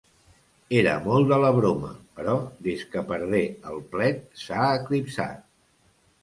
Era molt de la broma, però des que perdé el plet s'ha eclipsat.